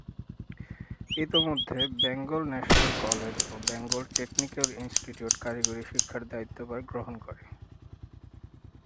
ইতোমধ্যে Bengal National College ও Bengal Technical Institute কারিগরি শিক্ষার দায়িত্বভার গ্রহণ করে।